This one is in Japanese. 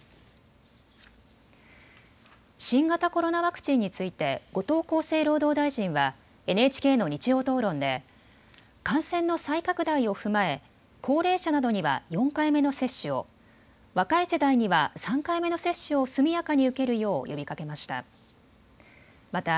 新型コロナワクチンについて後藤厚生労働大臣はＮＨＫの日曜討論で感染の再拡大を踏まえ高齢者などには４回目の接種を、若い世代には３回目の接種を速やかに受けるよう呼びかけました。